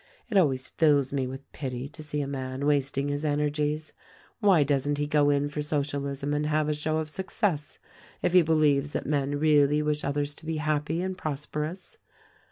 It always fills me with pity to see a man wasting his energies. Why doesn't he go in for Socialism and have a show of success, if he believes that men really wish others to be happy and prosperous.